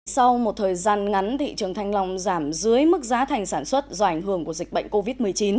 sau một thời gian ngắn thị trường thanh long giảm dưới mức giá thành sản xuất do ảnh hưởng của dịch bệnh covid một mươi chín